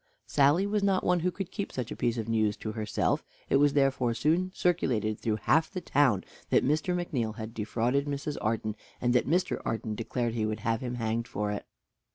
Sally was not one who could keep such a piece of news to herself; it was therefore soon circulated through half the town that Mr. McNeal had defrauded Mrs. Arden, and that Mr. Arden declared he would have him hanged for it.